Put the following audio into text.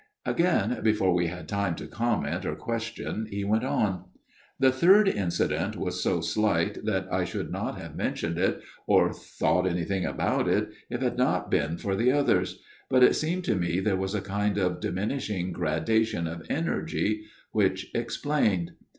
Again, before we had time to comment or question he went on. ' The third incident was so slight that I should not have mentioned it, or thought anything of it, if it had not been for the others ; but it seemed to me there was a kind of diminishing gradation of energy, which explained.